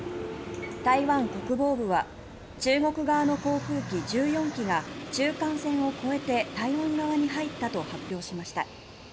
台湾国防部は中国側の航空機１４機が中間線を越えて台湾側に入ったと発表しました。